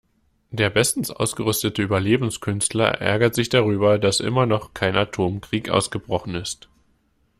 Der bestens ausgerüstete Überlebenskünstler ärgert sich darüber, dass immer noch kein Atomkrieg ausgebrochen ist.